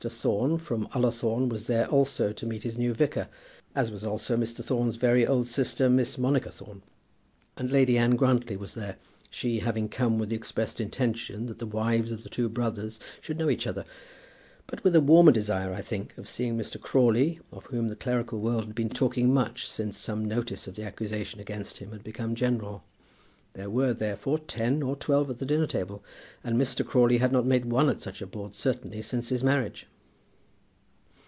Thorne, from Ullathorne, was there also to meet his new vicar, as was also Mr. Thorne's very old sister, Miss Monica Thorne. And Lady Anne Grantly was there, she having come with the expressed intention that the wives of the two brothers should know each other, but with a warmer desire, I think, of seeing Mr. Crawley, of whom the clerical world had been talking much since some notice of the accusation against him had become general. There were, therefore, ten or twelve at the dinner table, and Mr. Crawley had not made one at such a board certainly since his marriage.